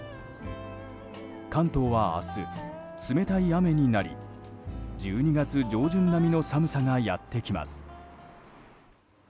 関東は明日、冷たい雨になり１２月上旬並みの寒さがやってきます。